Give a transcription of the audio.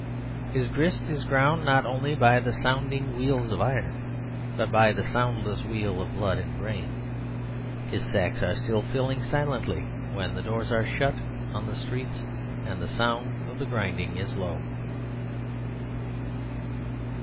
His grist is ground not only by the sounding wheels of iron, but by the soundless wheel of blood and brain. His sacks are still filling silently when the doors are shut on the streets and the sound of the grinding is low.